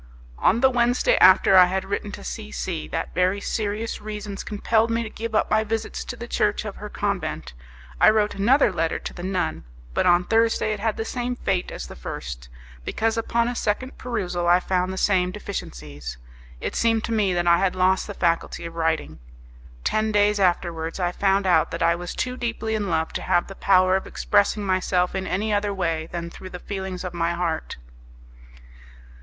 On the Wednesday after I had written to C C that very serious reasons compelled me to give up my visits to the church of her convent, I wrote another letter to the nun, but on Thursday it had the same fate as the first, because upon a second perusal I found the same deficiencies. It seemed to me that I had lost the faculty of writing. Ten days afterwards I found out that I was too deeply in love to have the power of expressing myself in any other way than through the feelings of my heart.